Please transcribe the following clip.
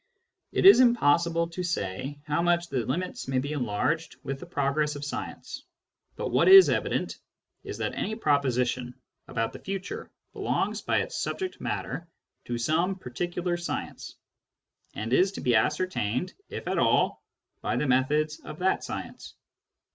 It is impossible to say how much the limits may be enlarged with the progress of science. But what is evident is that any proposition about the future belongs by its subject matter to some particular science, and is to be ascertained, if at all, by the methods of that science.